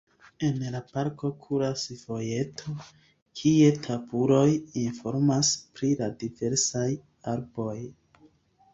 En la parko kuras vojeto, kie tabuloj informas pri la diversaj arboj.